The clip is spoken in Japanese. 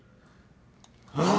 ああ。